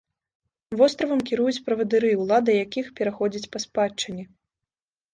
Востравам кіруюць правадыры, улада якіх пераходзіць па спадчыне.